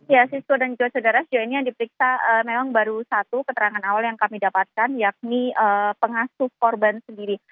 ya siswa dan juga saudara sejauh ini yang diperiksa memang baru satu keterangan awal yang kami dapatkan yakni pengasuh korban sendiri